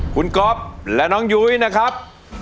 คุณก๊อฟและน้องยุ้ยนะครับ